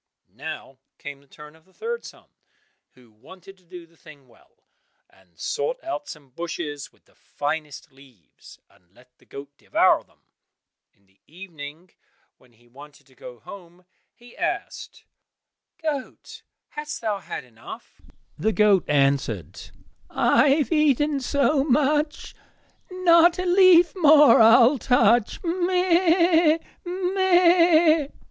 Now came the turn of the third son, who wanted to do the thing well, and sought out some bushes with the finest leaves, and let the goat devour them. In the evening when he wanted to go home, he asked, "Goat, hast thou had enough?" The goat answered, "I have eaten so much, Not a leaf more I'll touch, meh!